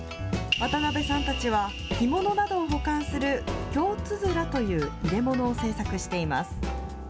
渡邉さんたちは、着物などを保管する、京つづらという入れ物を制作しています。